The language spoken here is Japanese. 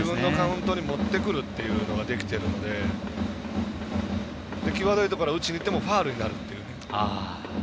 自分のカウントに持ってくることができているので際どいところにいってもファウルになっている。